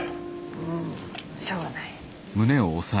うんしょうがない。